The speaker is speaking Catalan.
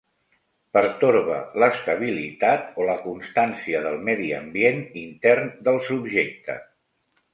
Pertorba l'estabilitat o la constància del medi ambient intern del subjecte.